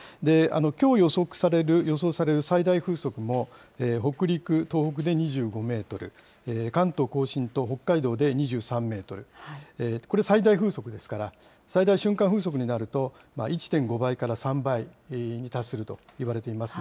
きょう予想される最大風速も、北陸、東北で２５メートル、関東甲信と北海道で２３メートル、これ、最大風速ですから、最大瞬間風速になると１．５倍から３倍に達するといわれています